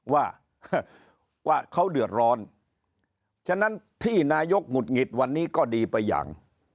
ว่าว่าเขาเดือดร้อนฉะนั้นที่นายกหงุดหงิดวันนี้ก็ดีไปอย่าง